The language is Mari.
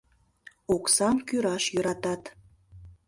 — Оксам кӱраш йӧратат.